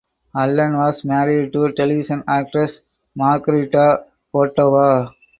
Allen was married to television actress Margarita Cordova.